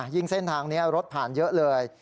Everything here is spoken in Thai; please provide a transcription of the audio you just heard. เส้นทางนี้รถผ่านเยอะเลย